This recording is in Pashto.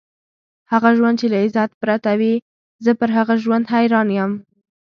هغه ژوند چې له عزت پرته وي، زه پر هغه ژوند حیران یم.